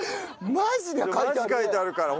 マジで書いてあるね。